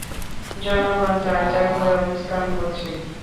জনগণ যার যার ঘরে অবস্থান করছিল।